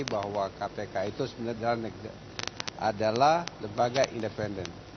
bahwa kpk itu sebenarnya adalah lembaga independen